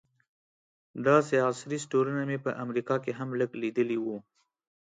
داسې عصري سټورونه مې په امریکا کې هم لږ لیدلي وو.